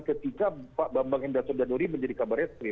ketika pak bambang indah soedanuri menjadi kabarnya skrim